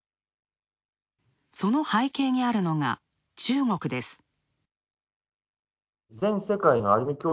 その背景にあるのが中国です。